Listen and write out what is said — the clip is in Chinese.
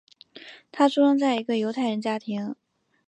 他出生在一个犹太人家庭。